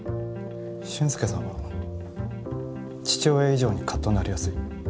俊介さんは父親以上にかっとなりやすい。